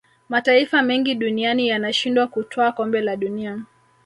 mataifa mengi duniani yanashindwa kutwaa kombe la dunia